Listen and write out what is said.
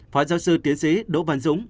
phó giáo sư tiến sĩ đỗ văn dũng